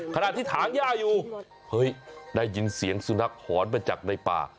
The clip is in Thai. ขณะที่ถางย่าอยู่เฮ้ยได้ยินเสียงสุนัขหอนมาจากในป่า